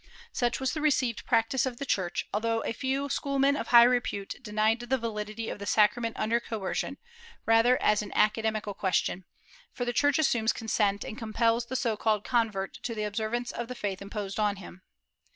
^ Such was the received practice of the Church, although a few schoolmen of high repute denied the validity of the sacrament under coercion, rather as an academi cal question, for the Church assumes consent and compels the so called convert to the observance of the faith imposed on him.'